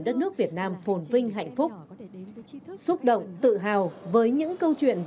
là tội phạm về ma túy